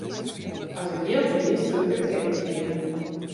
As ik jild hie, soe ik it keapje kinne.